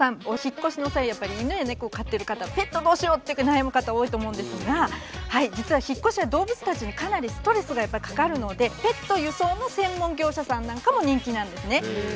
お引っ越しの際やっぱり犬や猫を飼ってる方ペットどうしよう？って悩む方多いと思うんですが実は引っ越しは動物たちにかなりストレスがやっぱりかかるのでペット輸送の専門業者さんなんかも人気なんですね。